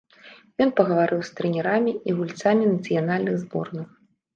Ён пагаварыў з трэнерамі і гульцамі нацыянальных зборных.